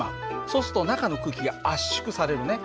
そうすると中の空気が圧縮されるね。